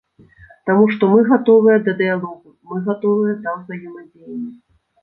Таму што мы гатовыя да дыялогу, мы гатовыя да ўзаемадзеяння.